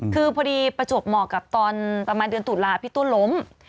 คือพอดีประจวบเหมาะกับตอนประมาณเดือนตุลาพี่ตัวล้ม